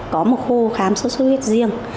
có một khu khám sốt sốt huyết riêng